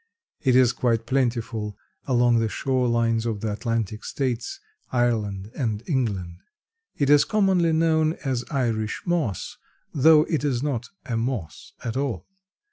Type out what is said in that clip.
It is quite plentiful along the shore lines of the Atlantic states, Ireland and England. It is commonly known as Irish moss, though it is not a moss at all.